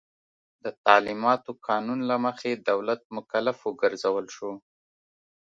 د تعلیماتو قانون له مخې دولت مکلف وګرځول شو.